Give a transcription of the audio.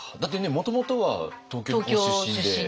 もともとは東京ご出身で。